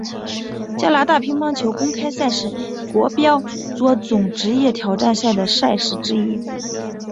加拿大乒乓球公开赛是国际桌总职业挑战赛的赛事之一。